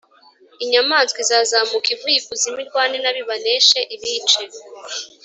inyamaswa izazamuka ivuye ikuzimu irwane na bo, ibaneshe ibīce.